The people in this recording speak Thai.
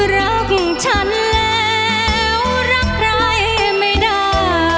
รักฉันแล้วรักใครไม่ได้